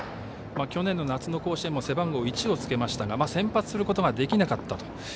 去年の夏の甲子園も背番号１をつけましたが先発することができなかったと。